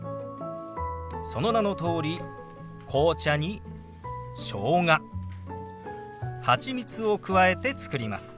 その名のとおり紅茶にしょうがハチミツを加えて作ります。